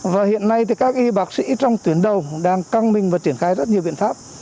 và hiện nay thì các y bác sĩ trong tuyến đầu đang căng mình và triển khai rất nhiều biện pháp